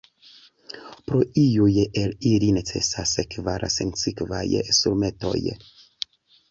Pro iuj el ili necesas kvar sinsekvaj surmetoj.